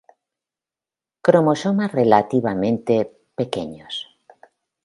Cromosomas relativamente "pequeños".